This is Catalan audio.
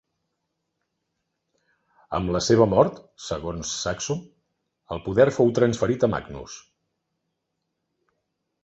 "Amb la seva mort", segons Saxo, "el poder fou transferit a Magnus".